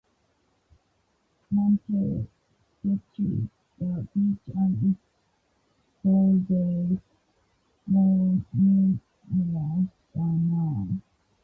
Mantell sketched the beach and its boulders, more numerous than now.